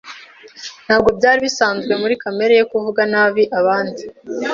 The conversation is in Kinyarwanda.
Ntabwo byari bisanzwe muri kamere ye kuvuga nabi abandi.